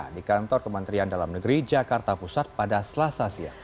di kantor kementerian dalam negeri jakarta pusat pada selasa siang